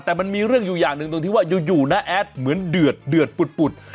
แต่มันมีเรื่องอยู่อย่างหนึ่งตรงที่ว่าอยู่น้าแอดเหมือนเดือดปุด